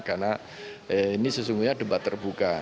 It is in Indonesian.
karena ini sesungguhnya debat terbuka